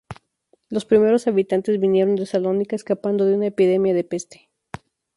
Los primeros habitantes vinieron de Salónica escapando de una epidemia de peste.